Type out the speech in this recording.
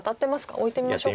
置いてみましょうか。